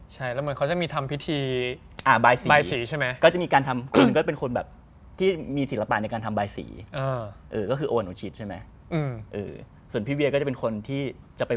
ใช่แล้วเหมือนเขาจะมีทำพิธี